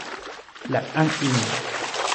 แล็บอ้างอิง